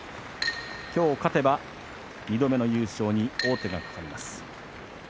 今日、勝てば２度目の優勝に王手がかかります。